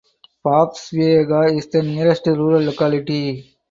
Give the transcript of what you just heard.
Papsuyevka is the nearest rural locality.